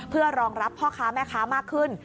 เพื่อรองรับพ่อค้าแม่ค้ามากขึ้น